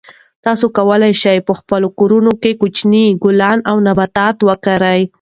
تاسو کولای شئ چې په خپلو کورونو کې کوچني ګلان او نباتات وکرئ.